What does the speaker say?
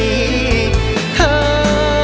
เธอ